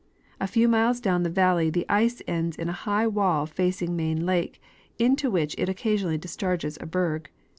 A few miles down the valley the ice ends in a high wall facing Main lake, into which it occasionally discharges a berg.